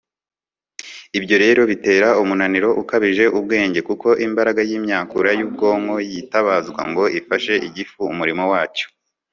ibyo rero bitera umunaniro ukabije ubwenge, kuko imbaraga y'imyakura y'ubwonko yitabazwa ngo ifashe igifu umurimo wacyo